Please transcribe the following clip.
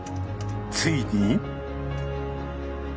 ついに。